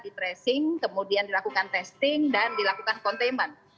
di tracing kemudian dilakukan testing dan dilakukan containment